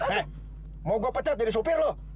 eh mau gue pecat jadi sopir loh